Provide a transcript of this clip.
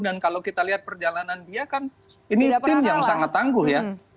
dan kalau kita lihat perjalanan dia kan ini tim yang sangat tangguh ya